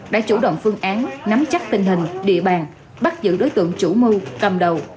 đã chủ động phương án nắm chắc tình hình địa bàn bắt giữ đối tượng chủ mưu cầm đầu